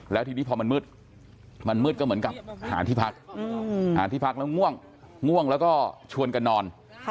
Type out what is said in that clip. แล้วทีนี้พอมันมืดมันมืดก็เหมือนกับหาที่พักหาที่พักแล้วง่วงง่วงแล้วก็ชวนกันนอน